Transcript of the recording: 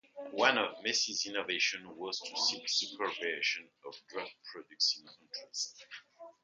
One of Meese's innovations was to seek the cooperation of drug-producing countries.